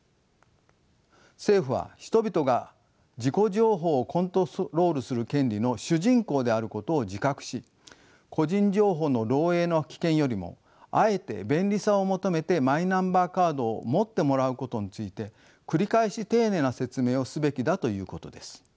政府は人々が自己情報をコントロールする権利の主人公であることを自覚し個人情報の漏えいの危険よりもあえて便利さを求めてマイナンバーカードを持ってもらうことについて繰り返し丁寧な説明をすべきだということです。